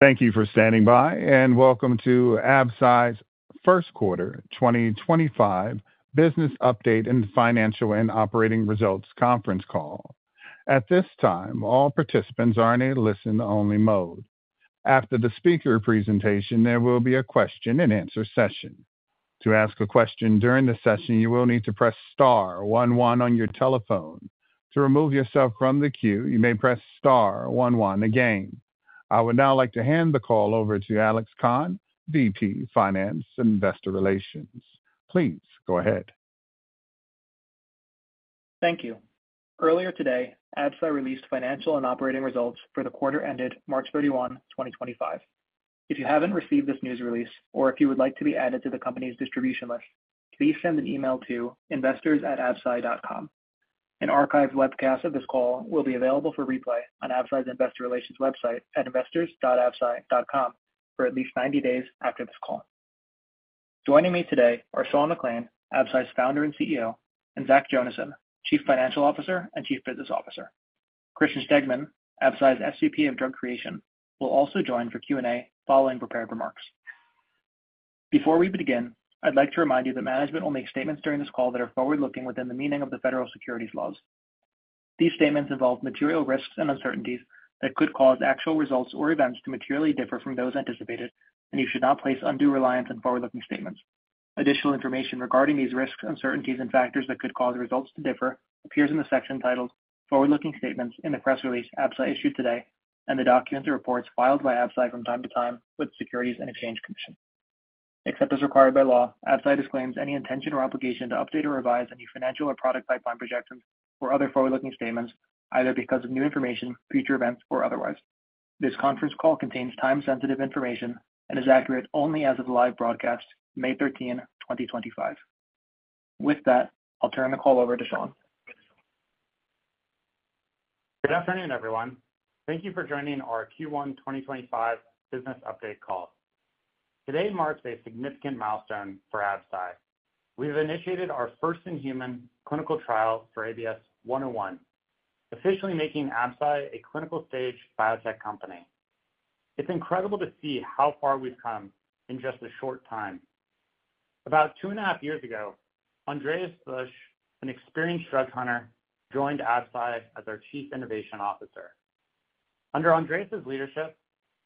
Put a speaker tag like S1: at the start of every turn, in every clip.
S1: Thank you for standing by, and welcome to Absci's First Quarter 2025 Business Update and Financial and Operating Results Conference Call. At this time, all participants are in a listen-only mode. After the speaker presentation, there will be a question-and-answer session. To ask a question during the session, you will need to press star one one on your telephone. To remove yourself from the queue, you may press star one one again. I would now like to hand the call over to Alex Khan, VP of Finance and Investor Relations. Please go ahead.
S2: Thank you. Earlier today, Absci released financial and operating results for the quarter ended March 31, 2025. If you have not received this news release, or if you would like to be added to the company's distribution list, please send an email to investors@absci.com. An archived webcast of this call will be available for replay on Absci's Investor Relations website at investors.absci.com for at least 90 days after this call. Joining me today are Sean McClain, Absci's Founder and CEO, and Zach Jonasson, Chief Financial Officer and Chief Business Officer. Christian Stegmann, Absci's SVP of Drug Creation, will also join for Q&A following prepared remarks. Before we begin, I would like to remind you that management will make statements during this call that are forward-looking within the meaning of the federal securities laws. These statements involve material risks and uncertainties that could cause actual results or events to materially differ from those anticipated, and you should not place undue reliance on forward-looking statements. Additional information regarding these risks, uncertainties, and factors that could cause results to differ appears in the section titled Forward-Looking Statements in the Press Release Absci issued today and the documents and reports filed by Absci from time to time with the Securities and Exchange Commission. Except as required by law, Absci disclaims any intention or obligation to update or revise any financial or product pipeline projections or other forward-looking statements, either because of new information, future events, or otherwise. This conference call contains time-sensitive information and is accurate only as of the live broadcast May 13, 2025. With that, I'll turn the call over to Sean.
S3: Good afternoon, everyone. Thank you for joining our Q1 2025 Business Update Call. Today marks a significant milestone for Absci. We have initiated our first in-human clinical trial for ABS-101, officially making Absci a clinical-stage biotech company. It's incredible to see how far we've come in just a short time. About two and a half years ago, Andreas Busch, an experienced drug hunter, joined Absci as our Chief Innovation Officer. Under Andreas's leadership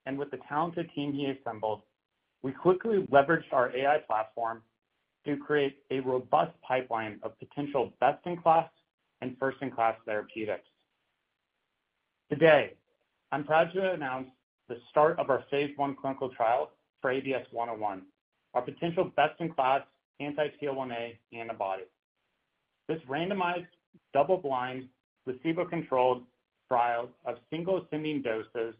S3: and with the talented team he assembled, we quickly leveraged our AI platform to create a robust pipeline of potential best-in-class and first-in-class therapeutics. Today, I'm proud to announce the start of our phase I clinical trial for ABS-101, our potential best-in-class anti-TL1A antibody. This randomized, double-blind, placebo-controlled trial of single ascending doses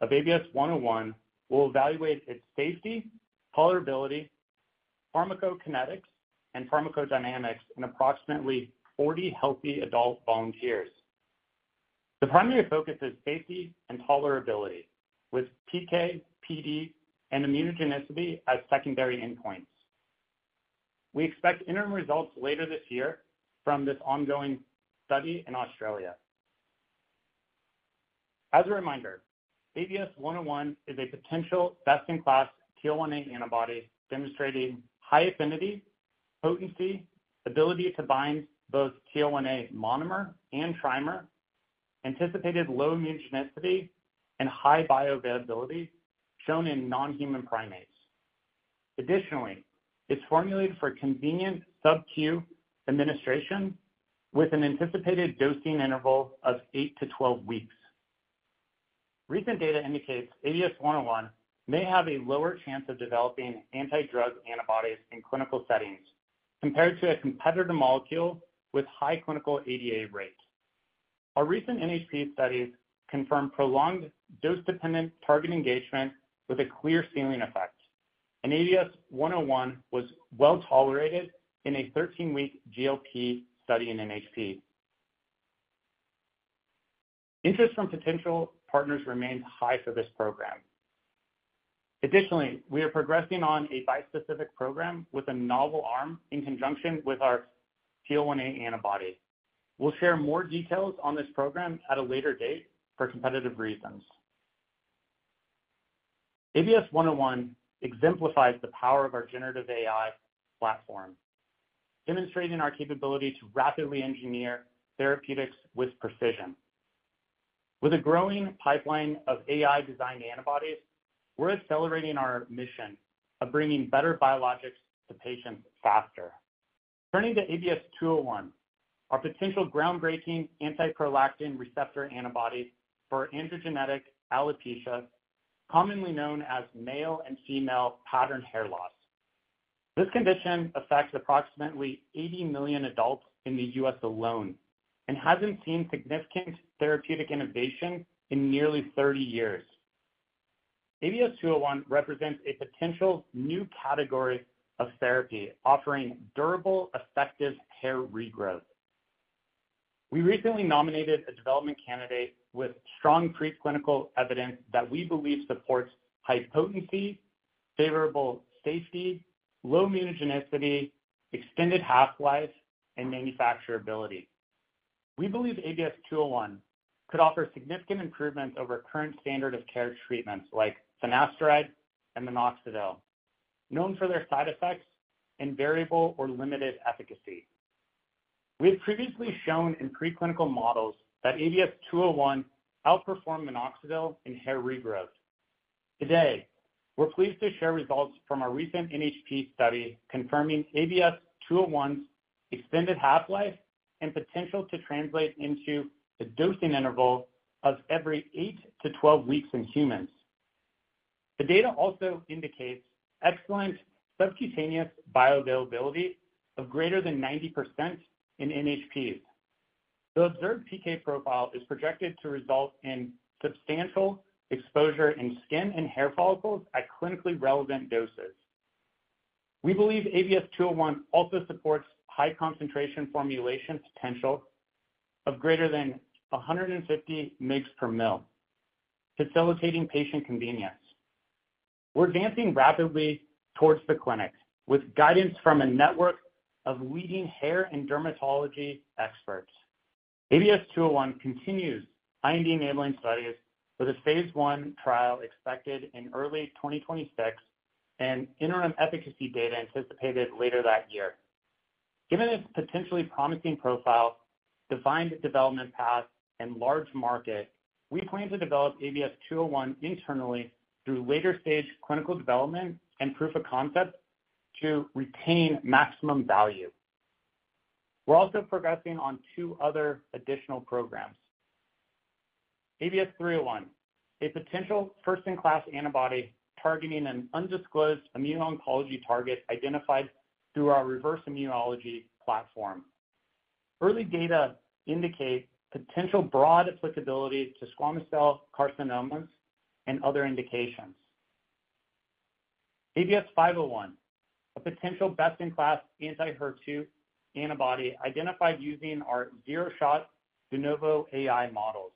S3: of ABS-101 will evaluate its safety, tolerability, pharmacokinetics, and pharmacodynamics in approximately 40 healthy adult volunteers. The primary focus is safety and tolerability, with PK, PD, and immunogenicity as secondary endpoints. We expect interim results later this year from this ongoing study in Australia. As a reminder, ABS-101 is a potential best-in-class TL1A antibody demonstrating high affinity, potency, ability to bind both TL1A monomer and trimer, anticipated low immunogenicity, and high bioavailability shown in non-human primates. Additionally, it's formulated for convenient subcutaneous administration with an anticipated dosing interval of eight to 12 weeks. Recent data indicates ABS-101 may have a lower chance of developing antidrug antibodies in clinical settings compared to a competitor molecule with high clinical ADA rate. Our recent NHP studies confirm prolonged dose-dependent target engagement with a clear ceiling effect. ABS-101 was well tolerated in a 13-week GLP study in NHP. Interest from potential partners remains high for this program. Additionally, we are progressing on a bispecific program with a novel arm in conjunction with our TL1A antibody. We'll share more details on this program at a later date for competitive reasons. ABS-101 exemplifies the power of our generative AI platform, demonstrating our capability to rapidly engineer therapeutics with precision. With a growing pipeline of AI-designed antibodies, we're accelerating our mission of bringing better biologics to patients faster. Turning to ABS-201, our potential groundbreaking anti-prolactin receptor antibody for androgenetic alopecia, commonly known as male and female pattern hair loss. This condition affects approximately 80 million adults in the U.S. alone and hasn't seen significant therapeutic innovation in nearly 30 years. ABS-201 represents a potential new category of therapy offering durable, effective hair regrowth. We recently nominated a development candidate with strong preclinical evidence that we believe supports high potency, favorable safety, low immunogenicity, extended half-life, and manufacturability. We believe ABS-201 could offer significant improvements over current standard-of-care treatments like finasteride and minoxidil, known for their side effects and variable or limited efficacy. We have previously shown in preclinical models that ABS-201 outperformed minoxidil in hair regrowth. Today, we're pleased to share results from our recent NHP study confirming ABS-201's extended half-life and potential to translate into the dosing interval of every eight to 12 weeks in humans. The data also indicates excellent subcutaneous bioavailability of greater than 90% in NHPs. The observed PK profile is projected to result in substantial exposure in skin and hair follicles at clinically relevant doses. We believe ABS-201 also supports high-concentration formulation potential of greater than 150 mg/ml, facilitating patient convenience. We're advancing rapidly towards the clinic with guidance from a network of leading hair and dermatology experts. ABS-201 continues IND-enabling studies with a phase I trial expected in early 2026 and interim efficacy data anticipated later that year. Given its potentially promising profile, defined development path, and large market, we plan to develop ABS-201 internally through later-stage clinical development and proof of concept to retain maximum value. We're also progressing on two other additional programs. ABS-301, a potential first-in-class antibody targeting an undisclosed immuno-oncology target identified through our reverse immunology platform. Early data indicate potential broad applicability to squamous cell carcinomas and other indications. ABS-501, a potential best-in-class anti-HER2 antibody identified using our zero-shot de novo AI models.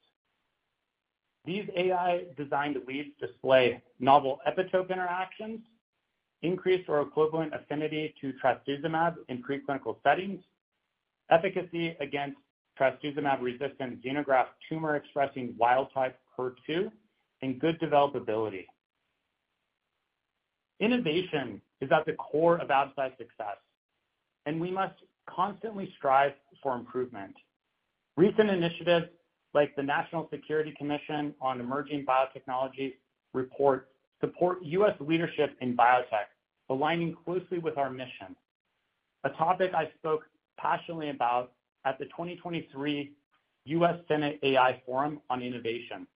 S3: These AI-designed leads display novel epitope interactions, increased or equivalent affinity to trastuzumab in preclinical settings, efficacy against trastuzumab-resistant xenograft tumor-expressing wild-type HER2, and good developability. Innovation is at the core of Absci's success, and we must constantly strive for improvement. Recent initiatives like the National Security Commission on Emerging Biotechnology reports support U.S. leadership in biotech, aligning closely with our mission, a topic I spoke passionately about at the 2023 U.S. Senate AI Forum on Innovation.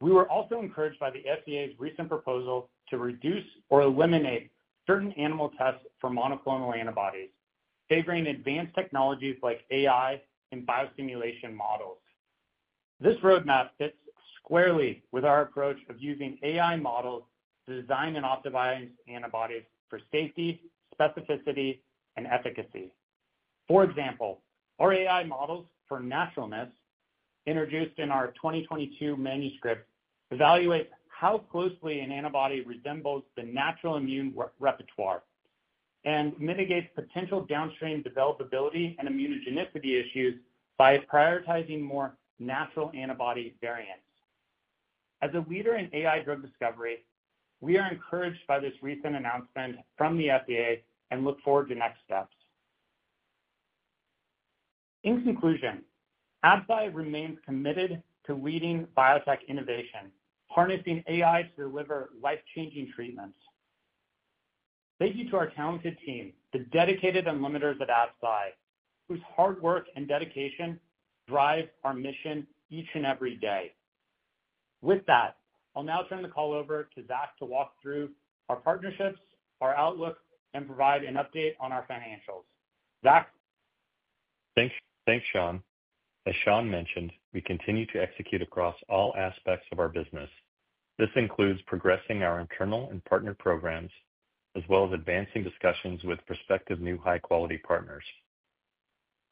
S3: We were also encouraged by the FDA's recent proposal to reduce or eliminate certain animal tests for monoclonal antibodies, favoring advanced technologies like AI and biosimulation models. This roadmap fits squarely with our approach of using AI models to design and optimize antibodies for safety, specificity, and efficacy. For example, our AI models for naturalness, introduced in our 2022 manuscript, evaluate how closely an antibody resembles the natural immune repertoire and mitigate potential downstream developability and immunogenicity issues by prioritizing more natural antibody variants. As a leader in AI drug discovery, we are encouraged by this recent announcement from the FDA and look forward to next steps. In conclusion, Absci remains committed to leading biotech innovation, harnessing AI to deliver life-changing treatments. Thank you to our talented team, the dedicated unlimiters at Absci, whose hard work and dedication drive our mission each and every day. With that, I'll now turn the call over to Zach to walk through our partnerships, our outlook, and provide an update on our financials. Zach.
S4: Thanks, Sean. As Sean mentioned, we continue to execute across all aspects of our business. This includes progressing our internal and partner programs, as well as advancing discussions with prospective new high-quality partners.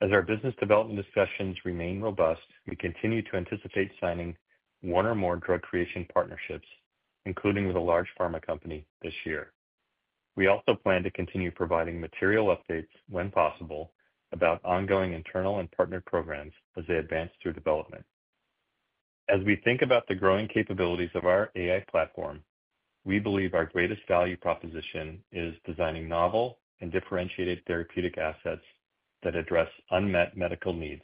S4: As our business development discussions remain robust, we continue to anticipate signing one or more drug creation partnerships, including with a large pharma company this year. We also plan to continue providing material updates when possible about ongoing internal and partner programs as they advance through development. As we think about the growing capabilities of our AI platform, we believe our greatest value proposition is designing novel and differentiated therapeutic assets that address unmet medical needs.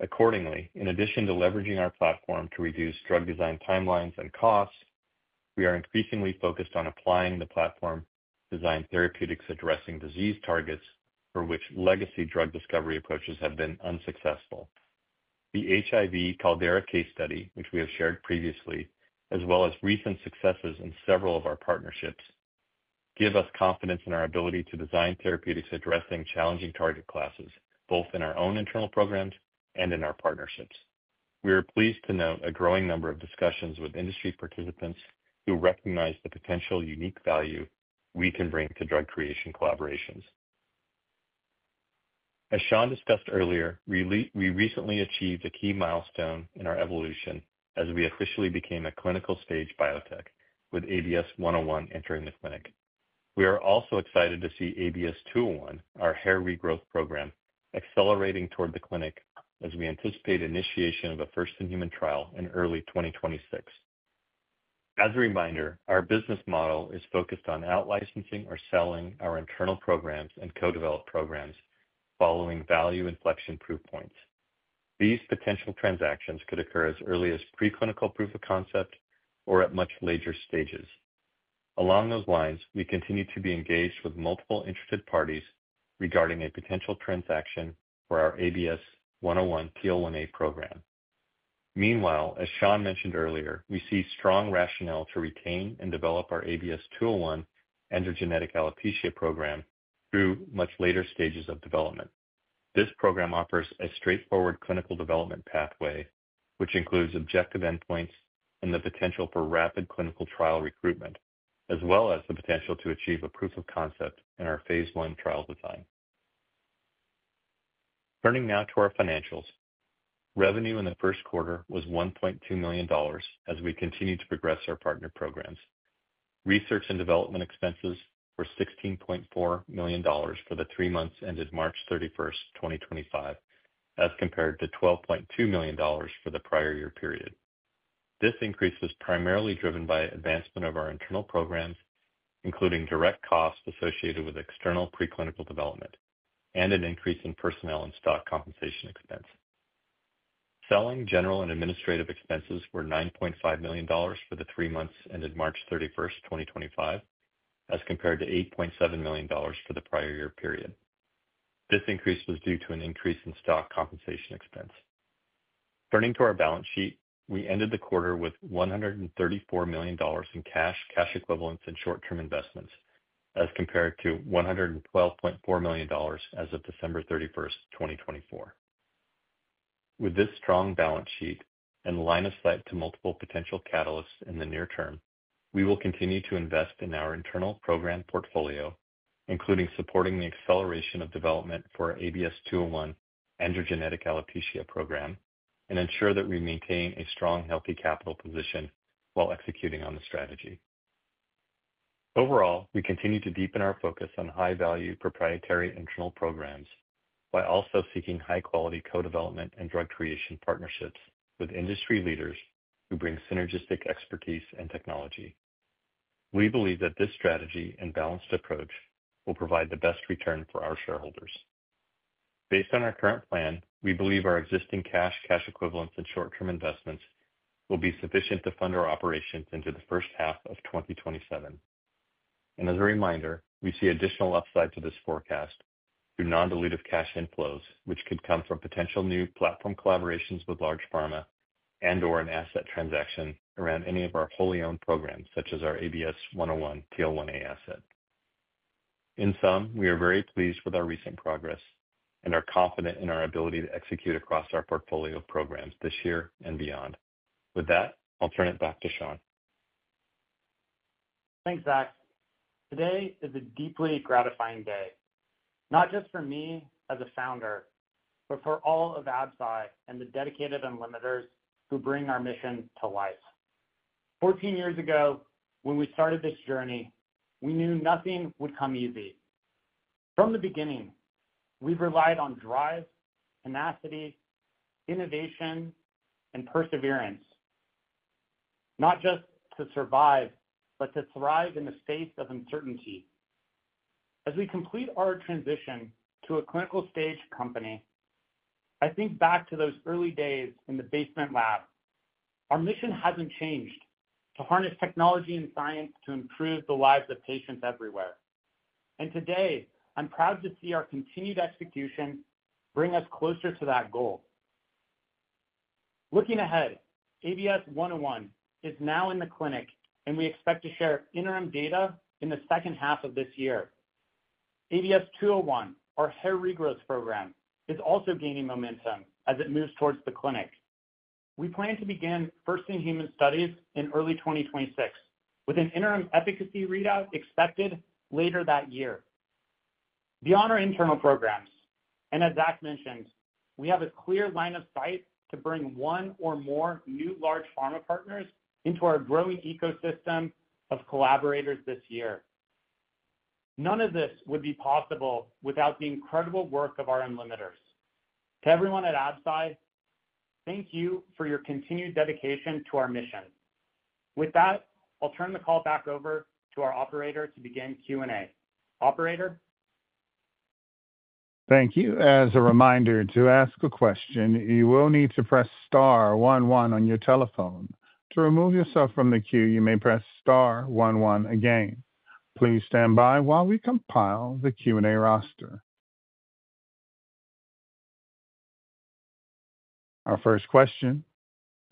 S4: Accordingly, in addition to leveraging our platform to reduce drug design timelines and costs, we are increasingly focused on applying the platform-designed therapeutics addressing disease targets for which legacy drug discovery approaches have been unsuccessful. The HIV Caldera case study, which we have shared previously, as well as recent successes in several of our partnerships, give us confidence in our ability to design therapeutics addressing challenging target classes, both in our own internal programs and in our partnerships. We are pleased to note a growing number of discussions with industry participants who recognize the potential unique value we can bring to drug creation collaborations. As Sean discussed earlier, we recently achieved a key milestone in our evolution as we officially became a clinical-stage biotech, with ABS-101 entering the clinic. We are also excited to see ABS-201, our hair regrowth program, accelerating toward the clinic as we anticipate initiation of a first-in-human trial in early 2026. As a reminder, our business model is focused on outlicensing or selling our internal programs and co-developed programs following value inflection proof points. These potential transactions could occur as early as preclinical proof of concept or at much later stages. Along those lines, we continue to be engaged with multiple interested parties regarding a potential transaction for our ABS-101 TL1A program. Meanwhile, as Sean mentioned earlier, we see strong rationale to retain and develop our ABS-201 androgenetic alopecia program through much later stages of development. This program offers a straightforward clinical development pathway, which includes objective endpoints and the potential for rapid clinical trial recruitment, as well as the potential to achieve a proof of concept in our phase I trial design. Turning now to our financials, revenue in the first quarter was $1.2 million as we continue to progress our partner programs. Research and development expenses were $16.4 million for the three months ended March 31st, 2025, as compared to $12.2 million for the prior year period. This increase was primarily driven by advancement of our internal programs, including direct costs associated with external preclinical development and an increase in personnel and stock compensation expense. Selling, General, and Administrative expenses were $9.5 million for the three months ended March 31st, 2025, as compared to $8.7 million for the prior year period. This increase was due to an increase in stock compensation expense. Turning to our balance sheet, we ended the quarter with $134 million in cash, cash equivalents, and short-term investments, as compared to $112.4 million as of December 31st, 2024. With this strong balance sheet and line of sight to multiple potential catalysts in the near term, we will continue to invest in our internal program portfolio, including supporting the acceleration of development for ABS-201 androgenetic alopecia program, and ensure that we maintain a strong, healthy capital position while executing on the strategy. Overall, we continue to deepen our focus on high-value proprietary internal programs by also seeking high-quality co-development and drug creation partnerships with industry leaders who bring synergistic expertise and technology. We believe that this strategy and balanced approach will provide the best return for our shareholders. Based on our current plan, we believe our existing cash, cash equivalents, and short-term investments will be sufficient to fund our operations into the first half of 2027. As a reminder, we see additional upside to this forecast through non-dilutive cash inflows, which could come from potential new platform collaborations with large pharma and/or an asset transaction around any of our wholly owned programs, such as our ABS-101 TL1A asset. In sum, we are very pleased with our recent progress and are confident in our ability to execute across our portfolio of programs this year and beyond. With that, I'll turn it back to Sean.
S3: Thanks, Zach. Today is a deeply gratifying day, not just for me as a founder, but for all of Absci and the dedicated unlimiters who bring our mission to life. 14 years ago, when we started this journey, we knew nothing would come easy. From the beginning, we've relied on drive, tenacity, innovation, and perseverance, not just to survive, but to thrive in the face of uncertainty. As we complete our transition to a clinical-stage company, I think back to those early days in the basement lab. Our mission hasn't changed to harness technology and science to improve the lives of patients everywhere. Today, I'm proud to see our continued execution bring us closer to that goal. Looking ahead, ABS-101 is now in the clinic, and we expect to share interim data in the second half of this year. ABS-201, our hair regrowth program, is also gaining momentum as it moves towards the clinic. We plan to begin first-in-human studies in early 2026, with an interim efficacy readout expected later that year. Beyond our internal programs, and as Zach mentioned, we have a clear line of sight to bring one or more new large pharma partners into our growing ecosystem of collaborators this year. None of this would be possible without the incredible work of our unlimiters. To everyone at Absci, thank you for your continued dedication to our mission. With that, I'll turn the call back over to our operator to begin Q&A. Operator.
S1: Thank you. As a reminder to ask a question, you will need to press star one one on your telephone. To remove yourself from the queue, you may press star one one again. Please stand by while we compile the Q&A roster. Our first question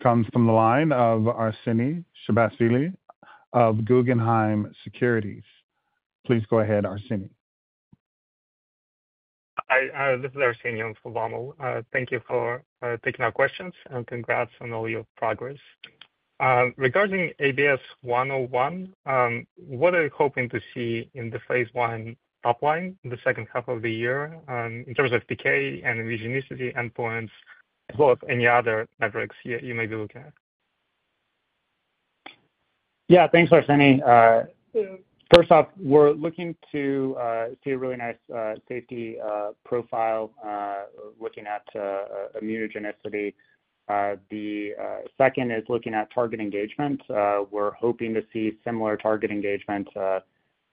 S1: comes from the line of Arseniy Shabashvili of Guggenheim Securities. Please go ahead, Arseniy.
S5: Hi, this is Arseniy on the phone. Thank you for taking our questions and congrats on all your progress. Regarding ABS-101, what are you hoping to see in the phase I upline in the second half of the year in terms of decay and ingenuity endpoints, as well as any other metrics you may be looking at?
S3: Yeah, thanks, Arseniy. First off, we're looking to see a really nice safety profile looking at immunogenicity. The second is looking at target engagement. We're hoping to see similar target engagement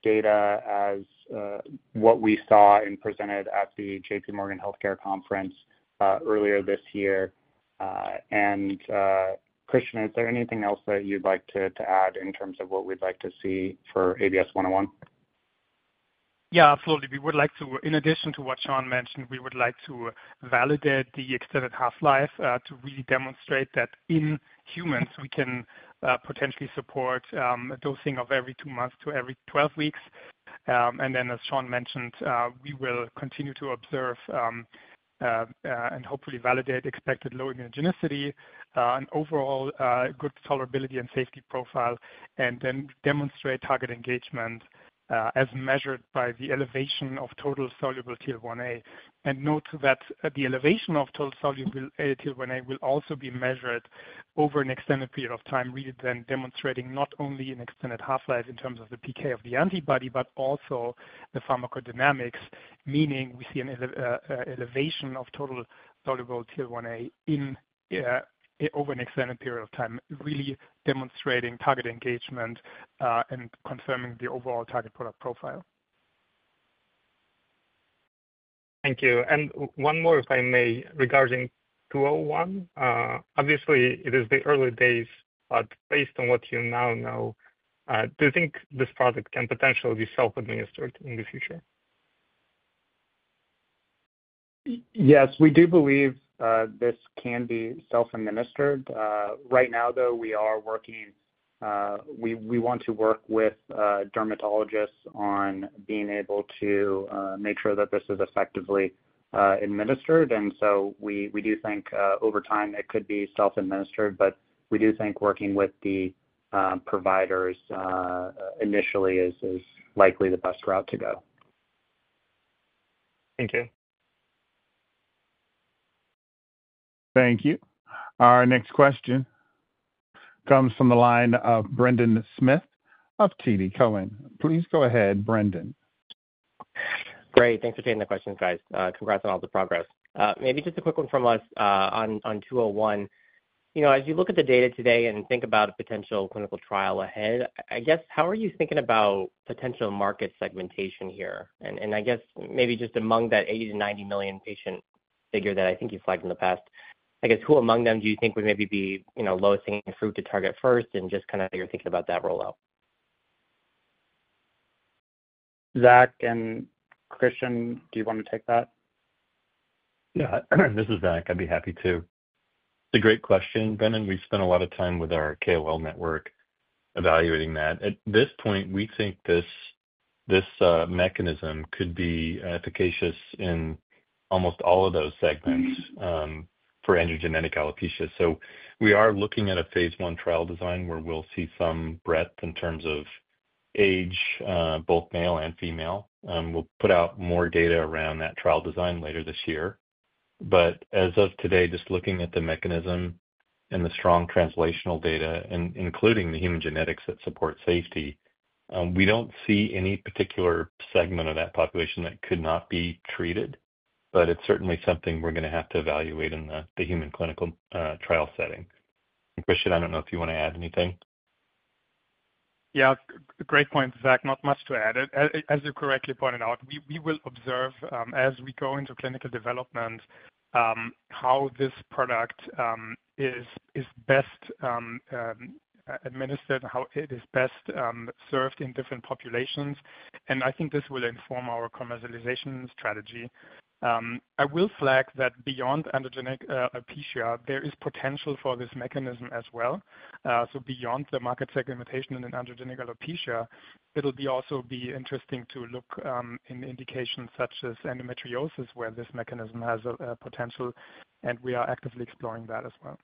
S3: data as what we saw and presented at the JP Morgan Healthcare Conference earlier this year. Christian, is there anything else that you'd like to add in terms of what we'd like to see for ABS-101?
S6: Yeah, absolutely. We would like to, in addition to what Sean mentioned, we would like to validate the extended half-life to really demonstrate that in humans we can potentially support dosing of every two months to every 12 weeks. As Sean mentioned, we will continue to observe and hopefully validate expected low immunogenicity and overall good tolerability and safety profile, and then demonstrate target engagement as measured by the elevation of total soluble TL1A. Note that the elevation of total soluble TL1A will also be measured over an extended period of time, really then demonstrating not only an extended half-life in terms of the decay of the antibody, but also the pharmacodynamics, meaning we see an elevation of total soluble TL1A over an extended period of time, really demonstrating target engagement and confirming the overall target product profile.
S5: Thank you. And one more, if I may, regarding ABS-201. Obviously, it is the early days, but based on what you now know, do you think this product can potentially be self-administered in the future?
S3: Yes, we do believe this can be self-administered. Right now, though, we are working, we want to work with dermatologists on being able to make sure that this is effectively administered. We do think over time it could be self-administered, but we do think working with the providers initially is likely the best route to go.
S5: Thank you.
S1: Thank you. Our next question comes from the line of Brendan Smith of TD Cowen. Please go ahead, Brendan.
S7: Great. Thanks for taking the question, guys. Congrats on all the progress. Maybe just a quick one from us on ABS-201. As you look at the data today and think about a potential clinical trial ahead, I guess, how are you thinking about potential market segmentation here? I guess maybe just among that 80-90 million patient figure that I think you've flagged in the past, I guess, who among them do you think would maybe be lowest hanging fruit to target first and just kind of your thinking about that rollout?
S3: Zach and Christian, do you want to take that?
S4: Yeah, this is Zach. I'd be happy to. It's a great question, Brendan. We spent a lot of time with our KOL network evaluating that. At this point, we think this mechanism could be efficacious in almost all of those segments for androgenetic alopecia. We are looking at a phase I trial design where we'll see some breadth in terms of age, both male and female. We'll put out more data around that trial design later this year. As of today, just looking at the mechanism and the strong translational data, including the human genetics that support safety, we don't see any particular segment of that population that could not be treated, but it's certainly something we're going to have to evaluate in the human clinical trial setting. Christian, I don't know if you want to add anything.
S6: Yeah, great point, Zach. Not much to add. As you correctly pointed out, we will observe, as we go into clinical development, how this product is best administered and how it is best served in different populations. I think this will inform our commercialization strategy. I will flag that beyond androgenetic alopecia, there is potential for this mechanism as well. Beyond the market segmentation and androgenetic alopecia, it will also be interesting to look in indications such as endometriosis, where this mechanism has a potential, and we are actively exploring that as well.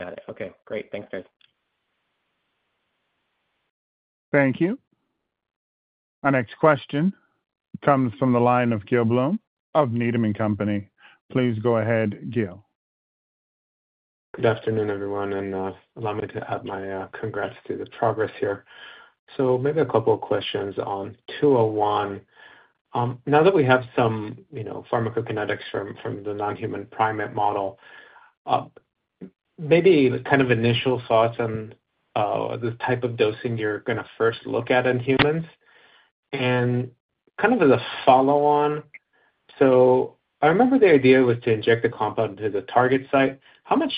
S7: Got it. Okay, great. Thanks, guys.
S1: Thank you. Our next question comes from the line of Gil Blum of Needham & Company. Please go ahead, Gil.
S8: Good afternoon, everyone. Allow me to add my congrats to the progress here. Maybe a couple of questions on ABS-201. Now that we have some pharmacokinetics from the non-human primate model, maybe kind of initial thoughts on the type of dosing you're going to first look at in humans? Kind of as a follow-on, I remember the idea was to inject the compound to the target site. How much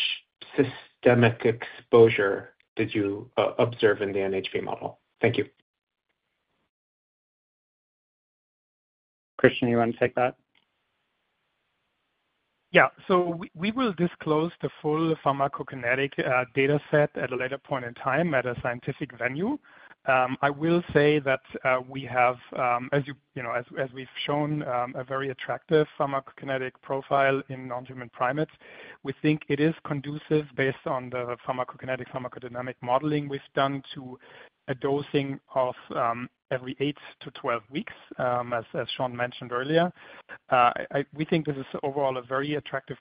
S8: systemic exposure did you observe in the NHP model? Thank you.
S3: Christian, you want to take that?
S6: Yeah. We will disclose the full pharmacokinetic data set at a later point in time at a scientific venue. I will say that we have, as we've shown, a very attractive pharmacokinetic profile in non-human primates. We think it is conducive, based on the pharmacokinetic pharmacodynamic modeling we've done, to a dosing of every eight to 12 weeks, as Sean mentioned earlier. We think this is overall a very attractive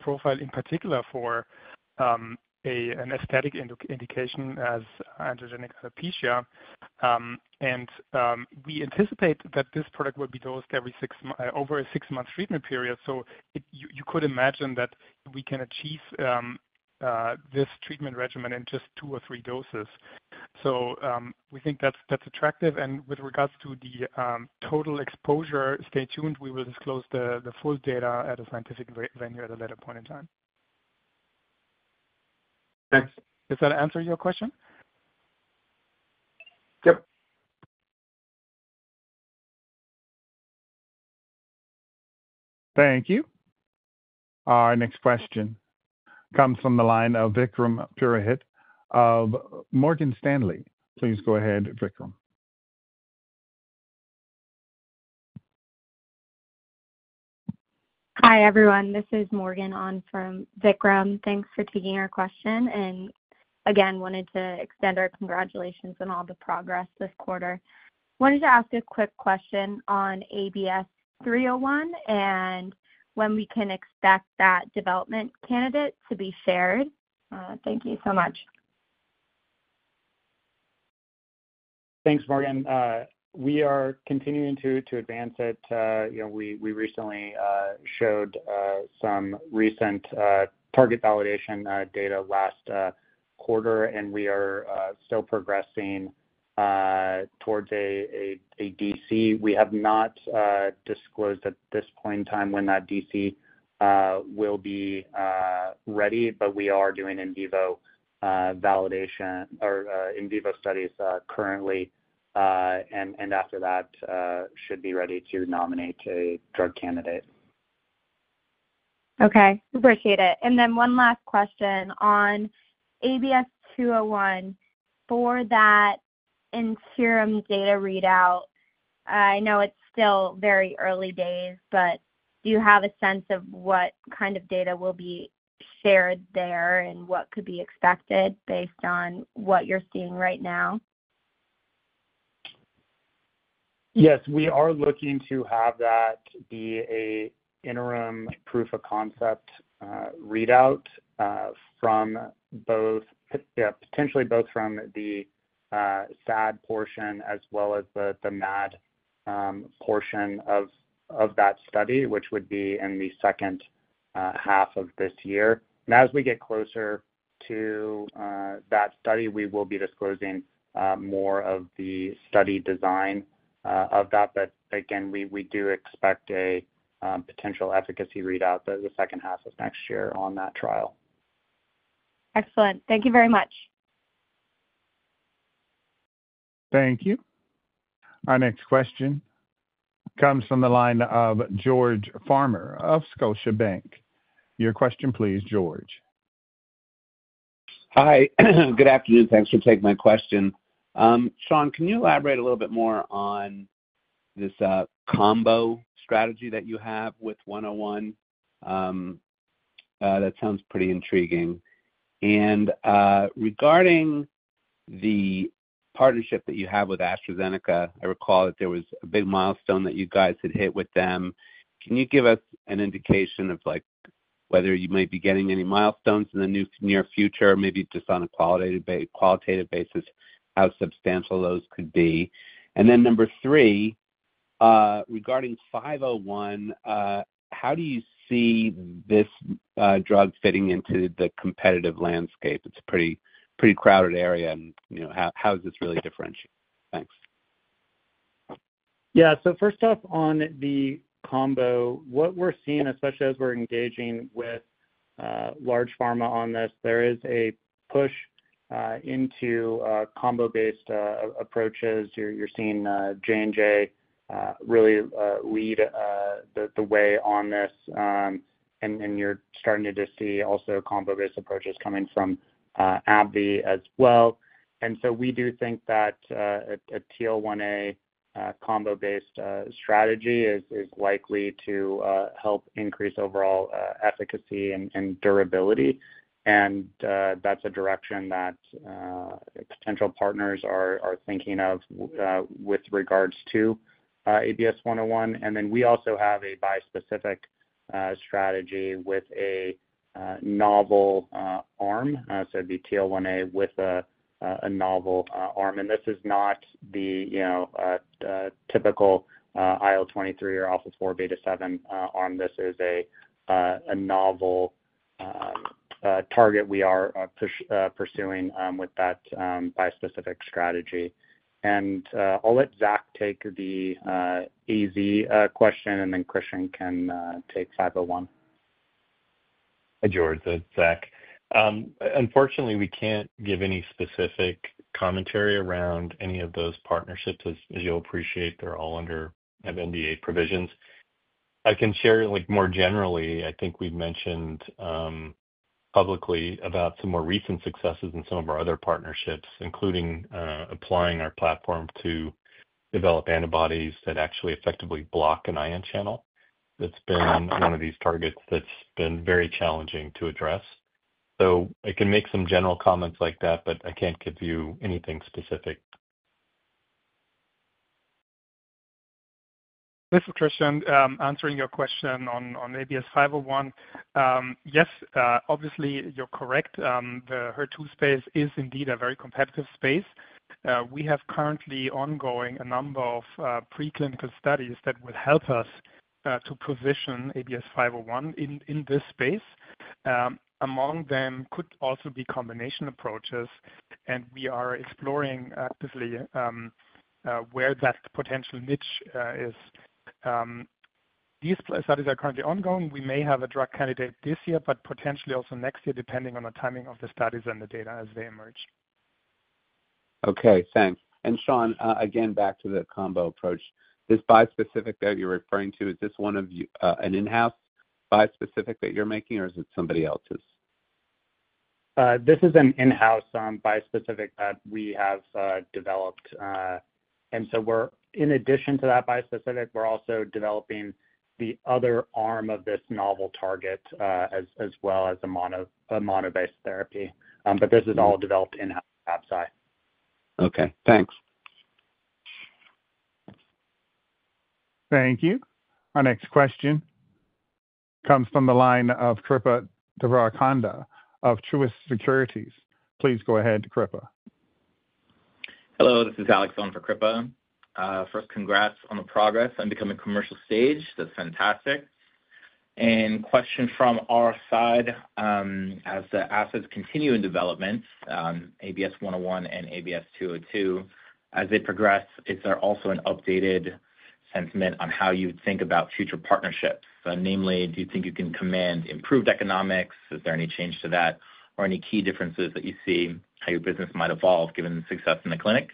S6: profile, in particular for an aesthetic indication such as androgenetic alopecia. We anticipate that this product will be dosed every six months over a six-month treatment period. You could imagine that we can achieve this treatment regimen in just two or three doses. We think that's attractive. With regards to the total exposure, stay tuned. We will disclose the full data at a scientific venue at a later point in time.
S8: Thanks.
S6: Does that answer your question?
S8: Yep.
S1: Thank you. Our next question comes from the line of Vikram Purohit of Morgan Stanley. Please go ahead, Vikram. Hi, everyone. This is Morgan on from Vikram. Thanks for taking our question. Again, wanted to extend our congratulations on all the progress this quarter. Wanted to ask a quick question on ABS-301 and when we can expect that development candidate to be shared.? Thank you so much.
S3: Thanks, Morgan. We are continuing to advance it. We recently showed some recent target validation data last quarter, and we are still progressing towards a DC. We have not disclosed at this point in time when that DC will be ready, but we are doing in vivo validation or in vivo studies currently. After that, should be ready to nominate a drug candidate. Okay. Appreciate it. One last question on ABS-201 for that interim data readout. I know it's still very early days, but do you have a sense of what kind of data will be shared there and what could be expected based on what you're seeing right now? Yes, we are looking to have that be an interim proof of concept readout from both, potentially both from the SAD portion as well as the MAD portion of that study, which would be in the second half of this year. As we get closer to that study, we will be disclosing more of the study design of that. Again, we do expect a potential efficacy readout the second half of next year on that trial. Excellent. Thank you very much.
S1: Thank you. Our next question comes from the line of George Farmer of Scotiabank. Your question, please, George.
S9: Hi. Good afternoon. Thanks for taking my question. Sean, can you elaborate a little bit more on this combo strategy that you have with ABS-101? That sounds pretty intriguing. Regarding the partnership that you have with AstraZeneca, I recall that there was a big milestone that you guys had hit with them. Can you give us an indication of whether you might be getting any milestones in the near future, maybe just on a qualitative basis, how substantial those could be? Number three, regarding ABS-501, how do you see this drug fitting into the competitive landscape? It's a pretty crowded area. How is this really differentiated? Thanks.
S3: Yeah. First off, on the combo, what we're seeing, especially as we're engaging with large pharma on this, there is a push into combo-based approaches. You're seeing J&J really lead the way on this. You're starting to see also combo-based approaches coming from AbbVie as well. We do think that a TL1A combo-based strategy is likely to help increase overall efficacy and durability. That's a direction that potential partners are thinking of with regards to ABS-101. We also have a bispecific strategy with a novel arm. It would be TL1A with a novel arm. This is not the typical IL-23 or alpha-4 beta-7 arm. This is a novel target we are pursuing with that bispecific strategy. I'll let Zach take the AZ question, and then Christian can take ABS-501.
S4: Hi, George. That's Zach. Unfortunately, we can't give any specific commentary around any of those partnerships, as you'll appreciate. They're all under NDA provisions. I can share more generally. I think we've mentioned publicly about some more recent successes in some of our other partnerships, including applying our platform to develop antibodies that actually effectively block an ion channel. That's been one of these targets that's been very challenging to address. I can make some general comments like that, but I can't give you anything specific.
S6: This is Christian. Answering your question on ABS-501, yes, obviously, you're correct. The HER2 space is indeed a very competitive space. We have currently ongoing a number of preclinical studies that will help us to position ABS-501 in this space. Among them could also be combination approaches. We are exploring actively where that potential niche is. These studies are currently ongoing. We may have a drug candidate this year, but potentially also next year, depending on the timing of the studies and the data as they emerge.
S9: Okay. Thanks. Sean, again, back to the combo approach. This bispecific that you're referring to, is this one of an in-house bispecific that you're making, or is it somebody else's?
S3: This is an in-house bispecific that we have developed. In addition to that bispecific, we're also developing the other arm of this novel target as well as a monobase therapy. This is all developed in-house at Absci.
S9: Okay. Thanks.
S1: Thank you. Our next question comes from the line of Kripa Devarokanda of Truist Securities. Please go ahead, Kripa.
S10: Hello. This is Alex on for Kripa. First, congrats on the progress and becoming commercial stage. That's fantastic. Question from our side, as the assets continue in development, ABS-101 and ABS-202, as they progress, is there also an updated sentiment on how you think about future partnerships? Namely, do you think you can command improved economics? Is there any change to that or any key differences that you see how your business might evolve given the success in the clinic?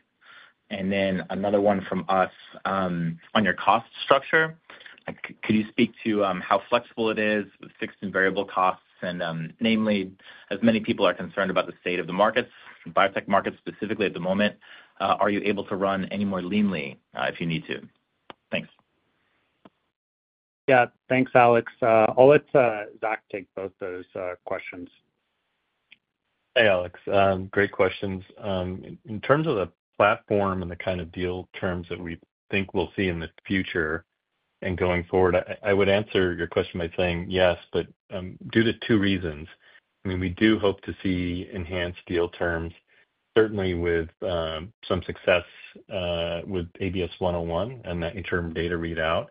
S10: Another one from us on your cost structure. Could you speak to how flexible it is with fixed and variable costs? Namely, as many people are concerned about the state of the markets, biotech markets specifically at the moment, are you able to run any more leanly if you need to? Thanks.
S3: Yeah. Thanks, Alex. I'll let Zach take both those questions.
S4: Hey, Alex. Great questions. In terms of the platform and the kind of deal terms that we think we'll see in the future and going forward, I would answer your question by saying yes, but due to two reasons. I mean, we do hope to see enhanced deal terms, certainly with some success with ABS-101 and that interim data readout.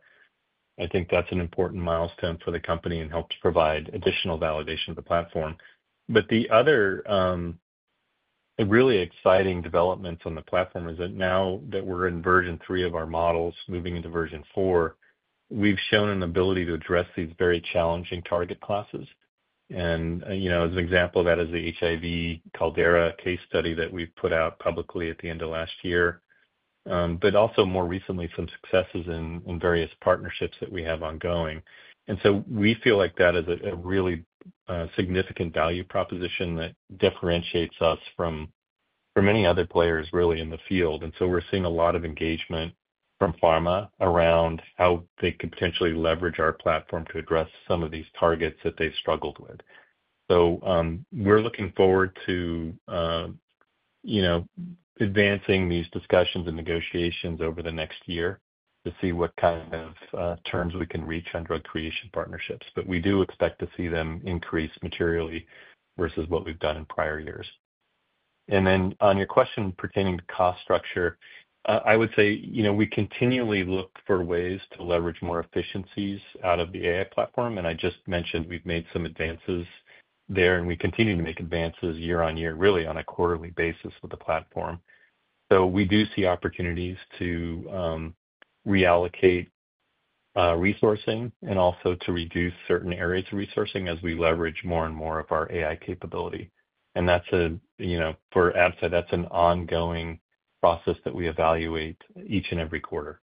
S4: I think that's an important milestone for the company and helps provide additional validation of the platform. The other really exciting developments on the platform is that now that we're in version three of our models, moving into version four, we've shown an ability to address these very challenging target classes. An example of that is the HIV Caldera case study that we've put out publicly at the end of last year, but also more recently, some successes in various partnerships that we have ongoing. We feel like that is a really significant value proposition that differentiates us from many other players really in the field. We are seeing a lot of engagement from pharma around how they could potentially leverage our platform to address some of these targets that they have struggled with. We are looking forward to advancing these discussions and negotiations over the next year to see what kind of terms we can reach on drug creation partnerships. We do expect to see them increase materially versus what we have done in prior years. On your question pertaining to cost structure, I would say we continually look for ways to leverage more efficiencies out of the AI platform. I just mentioned we have made some advances there, and we continue to make advances year on year, really on a quarterly basis with the platform. We do see opportunities to reallocate resourcing and also to reduce certain areas of resourcing as we leverage more and more of our AI capability. For Absci, that's an ongoing process that we evaluate each and every quarter.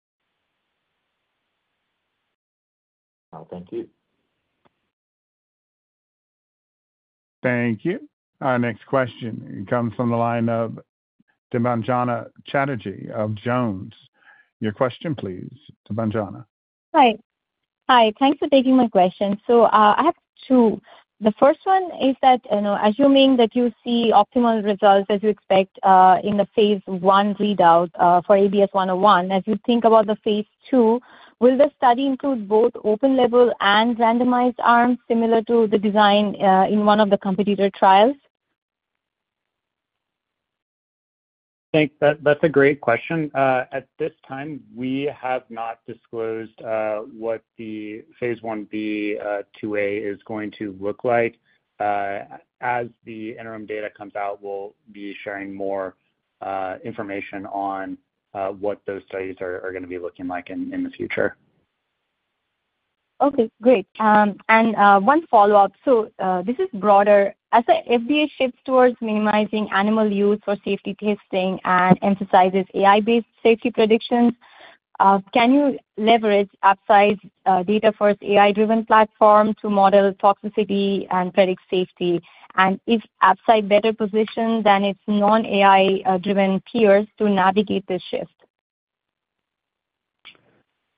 S10: Thank you.
S1: Thank you. Our next question comes from the line of Debanjana Chatterjee of Jones. Your question, please, Dibanjana.
S11: Hi. Thanks for taking my question. I have two. The first one is that assuming that you see optimal results as you expect in the phase I readout for ABS-101, as you think about the phase II, will the study include both open-label and randomized arms similar to the design in one of the competitor trials?
S3: Thanks. That's a great question. At this time, we have not disclosed what the phase I-B/IIA is going to look like. As the interim data comes out, we'll be sharing more information on what those studies are going to be looking like in the future.
S11: Okay. Great. One follow-up. This is broader. As the FDA shifts towards minimizing animal use for safety testing and emphasizes AI-based safety predictions, can you leverage Absci's data-first AI-driven platform to model toxicity and predict safety? Is Absci better positioned than its non-AI-driven peers to navigate this shift?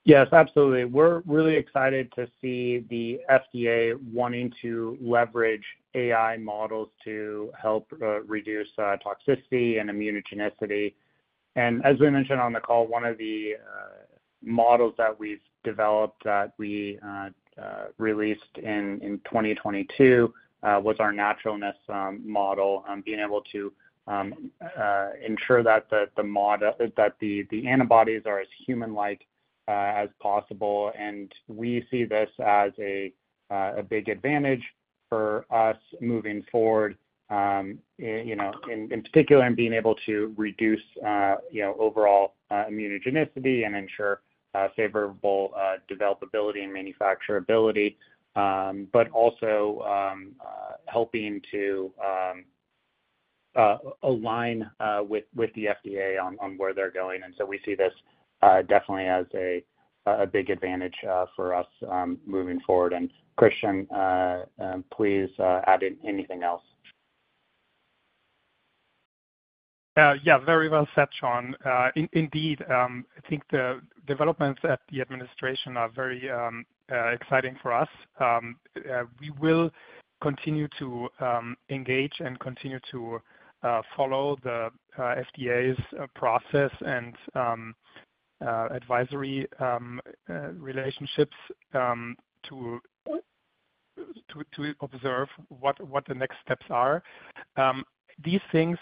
S3: Yes, absolutely. We're really excited to see the FDA wanting to leverage AI models to help reduce toxicity and immunogenicity. As we mentioned on the call, one of the models that we've developed that we released in 2022 was our naturalness model, being able to ensure that the antibodies are as human-like as possible. We see this as a big advantage for us moving forward, in particular, in being able to reduce overall immunogenicity and ensure favorable developability and manufacturability, but also helping to align with the FDA on where they're going. We see this definitely as a big advantage for us moving forward. Christian, please add in anything else.
S6: Yeah. Very well said, Sean. Indeed, I think the developments at the administration are very exciting for us. We will continue to engage and continue to follow the FDA's process and advisory relationships to observe what the next steps are. These things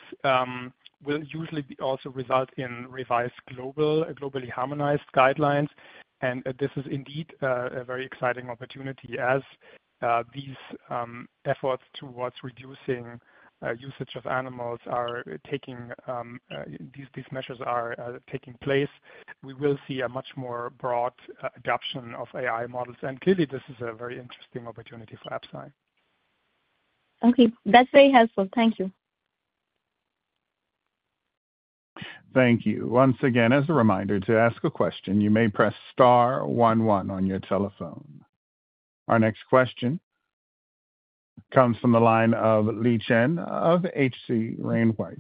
S6: will usually also result in revised globally harmonized guidelines. This is indeed a very exciting opportunity as these efforts towards reducing usage of animals are taking place. We will see a much more broad adoption of AI models. Clearly, this is a very interesting opportunity for Absci.
S11: Okay. That's very helpful. Thank you.
S1: Thank you. Once again, as a reminder to ask a question, you may press star one one on your telephone. Our next question comes from the line of Li Chen of H.C. Wainwright.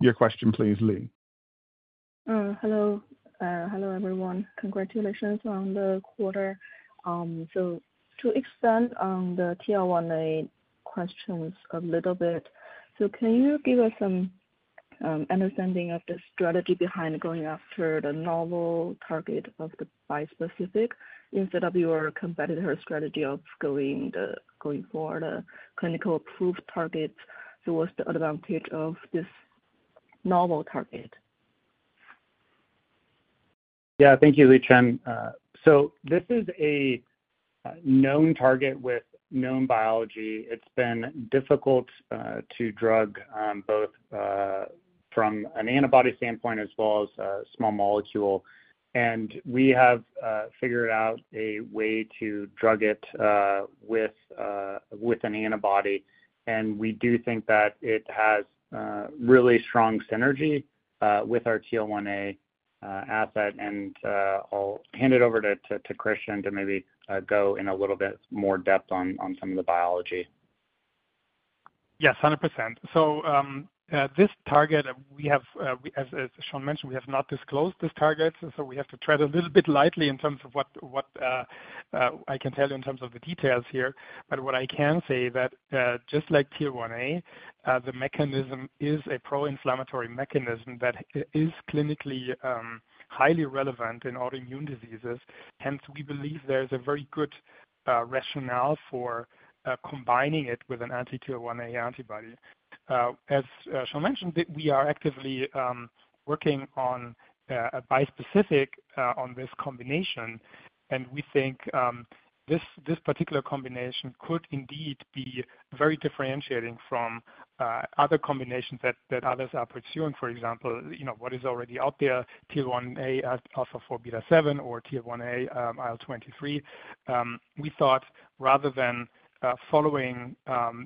S1: Your question, please, Li.
S12: Hello. Hello everyone. Congratulations on the quarter. To expand on the TL1A questions a little bit, can you give us some understanding of the strategy behind going after the novel target of the bispecific instead of your competitor strategy of going for the clinically approved target? What is the advantage of this novel target?
S3: Yeah. Thank you, Li Chen. This is a known target with known biology. It's been difficult to drug both from an antibody standpoint as well as a small molecule. We have figured out a way to drug it with an antibody. We do think that it has really strong synergy with our TL1A asset. I'll hand it over to Christian to maybe go in a little bit more depth on some of the biology.
S6: Yes, 100%. This target, as Sean mentioned, we have not disclosed these targets. We have to tread a little bit lightly in terms of what I can tell you in terms of the details here. What I can say is that just like TL1A, the mechanism is a pro-inflammatory mechanism that is clinically highly relevant in autoimmune diseases. Hence, we believe there is a very good rationale for combining it with an anti-TL1A antibody. As Sean mentioned, we are actively working on a bispecific on this combination. We think this particular combination could indeed be very differentiating from other combinations that others are pursuing. For example, what is already out there, TL1A alpha-4 beta-7 or TL1A IL-23. We thought rather than following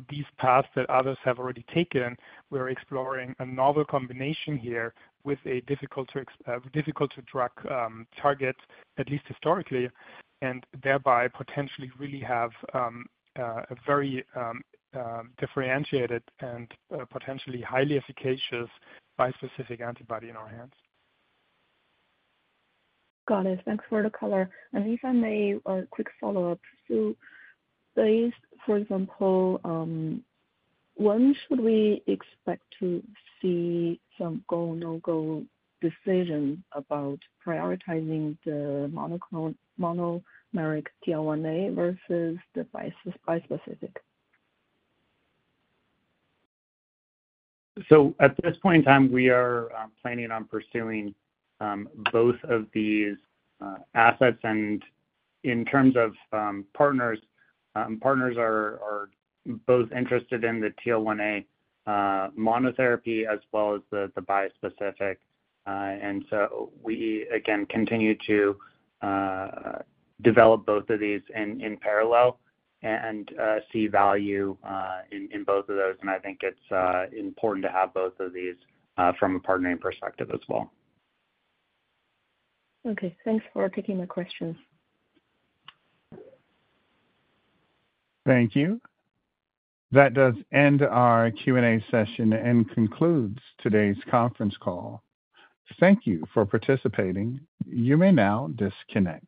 S6: these paths that others have already taken, we're exploring a novel combination here with a difficult-to-drug target, at least historically, and thereby potentially really have a very differentiated and potentially highly efficacious bispecific antibody in our hands.
S12: Got it. Thanks for the color. If I may, a quick follow-up. For example, when should we expect to see some go-no-go decision about prioritizing the monomeric TL1A versus the bispecific?
S3: At this point in time, we are planning on pursuing both of these assets. In terms of partners, partners are both interested in the TL1A monotherapy as well as the bispecific. We, again, continue to develop both of these in parallel and see value in both of those. I think it's important to have both of these from a partnering perspective as well.
S12: Okay. Thanks for taking my questions.
S1: Thank you. That does end our Q&A session and concludes today's conference call. Thank you for participating. You may now disconnect.